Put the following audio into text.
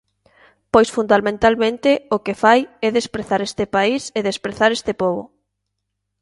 Pois fundamentalmente o que fai é desprezar este país e desprezar este pobo.